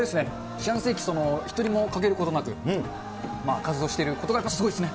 四半世紀、１人も欠けることなく、活動してることが、やっぱすごいですね。